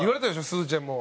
すずちゃんも。